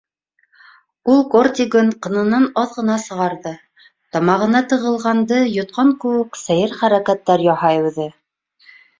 Ул кортигын ҡынынан аҙ ғына сығарҙы, тамағына тығылғанды йотҡан кеүек сәйер хәрәкәттәр яһай үҙе.